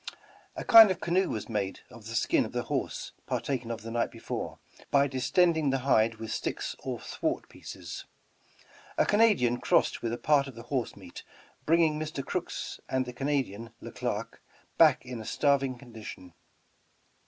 A kind of canoe was made of the skin of the horse partaken of the night before, by distending the hide with sticks or thwart pieces. A Canadian crossed with a part of the horse meat, bringing Mr. Crooks and the Canadian, LeClerc, back in a starving condition.